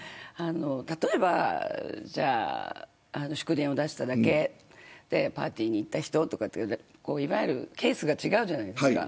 例えば祝電を出しただけパーティーに行った人ケースが違うじゃないですか。